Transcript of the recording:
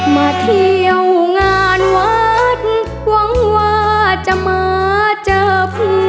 มาเที่ยวงานวัดหวังว่าจะมาเจอ